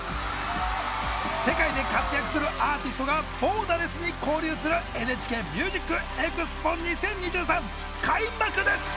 世界で活躍するアーティストがボーダレスに交流する「ＮＨＫＭＵＳＩＣＥＸＰＯ２０２３」開幕です！